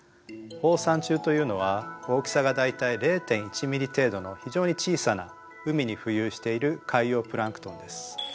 放散虫というのは大きさが大体０．１ｍｍ程度の非常に小さな海に浮遊している海洋プランクトンです。